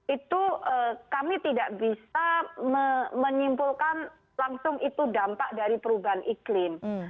itu kami tidak bisa menyimpulkan langsung itu dampak dari perubahan iklim